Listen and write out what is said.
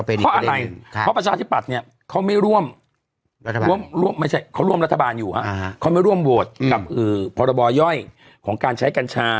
เพราะอะไรเพราะประชาธิปัตย์เนี่ยเขาไม่ร่วมเขาร่วมรัฐบาลอยู่เขาไม่ร่วมโหวตกับพรบย่อยของการใช้กัญชา